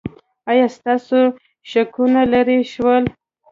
ایا ستاسو شکونه لرې شول؟